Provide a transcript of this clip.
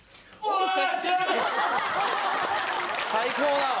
最高だわ。